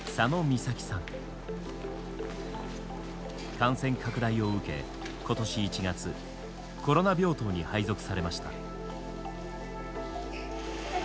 感染拡大を受けことし１月コロナ病棟に配属されました。